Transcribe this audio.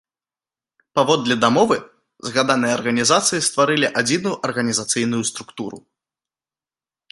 Паводле дамовы, згаданыя арганізацыі стварылі адзіную арганізацыйную структуру.